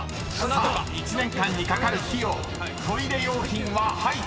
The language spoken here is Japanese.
［さあ１年間にかかる費用トイレ用品は入っているのか⁉］